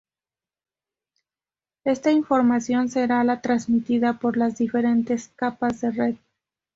Esta información será la transmitida por las diferentes capas de red.